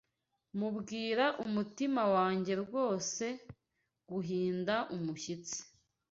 mubwira umutima wanjye wose; Guhinda umushyitsi